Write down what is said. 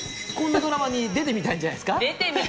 こんなドラマに出てみたいんじゃないですか？